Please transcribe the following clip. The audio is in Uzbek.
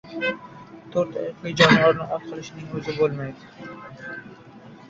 To‘rt oyoqli jonivorni ot qilishning o‘zi bo‘lmaydi.